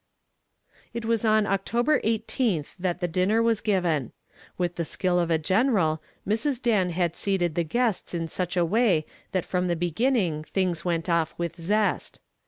It was on October 18th that the dinner was given. With the skill of a general Mrs. Dan had seated the guests in such a way that from the beginning things went off with zest.